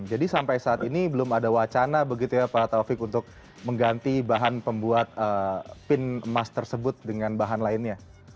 jadi sampai saat ini belum ada wacana pak taufik untuk mengganti bahan pembuat pin emas tersebut dengan bahan lainnya